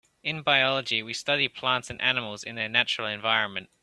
In biology we study plants and animals in their natural environment.